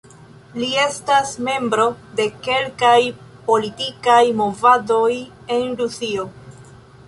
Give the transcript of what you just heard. Li estas membro de kelkaj politikaj movadoj en Rusio.